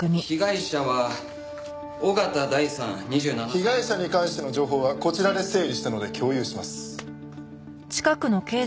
被害者に関しての情報はこちらで整理したので共有します。